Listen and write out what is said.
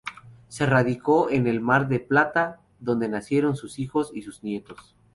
Se radicó en Mar del Plata, donde nacieron sus hijos y sus nietos.